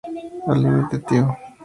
Al límite tío